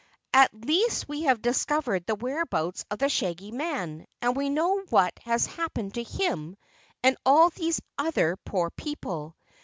"At least we have discovered the whereabouts of the Shaggy Man and we know what has happened to him and all these other poor people.